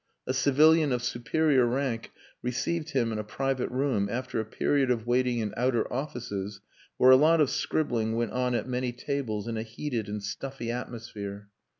A civilian of superior rank received him in a private room after a period of waiting in outer offices where a lot of scribbling went on at many tables in a heated and stuffy atmosphere.